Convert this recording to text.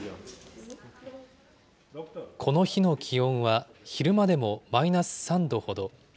この日の気温は昼間でもマイナス３度ほど。